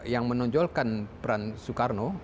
yang menonjolkan peran soekarno